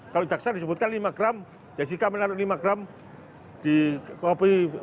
kalau jaksa disebutkan lima gram jessica menaruh lima gram di kopi